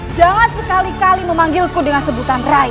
jangan sekali kali memanggilku dengan sebutan rai